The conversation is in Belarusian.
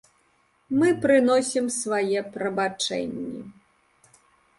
Мы прыносім свае прабачэнні.